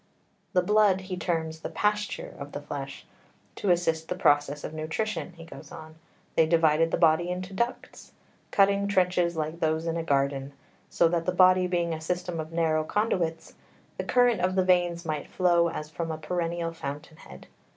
The blood he terms the pasture of the flesh. "To assist the process of nutrition," he goes on, "they divided the body into ducts, cutting trenches like those in a garden, so that, the body being a system of narrow conduits, the current of the veins might flow as from a perennial fountain head.